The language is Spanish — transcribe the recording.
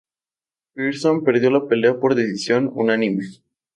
Pearson perdió la pelea por decisión unánime.